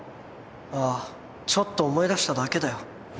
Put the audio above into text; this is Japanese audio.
ああちょっと思い出しただけだよ。